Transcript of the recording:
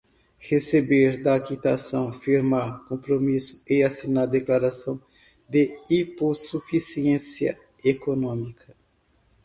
receber, dar quitação, firmar compromisso e assinar declaração de hipossuficiência econômica